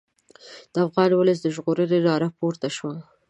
د افغان ولس د ژغورنې ناره پورته شوه.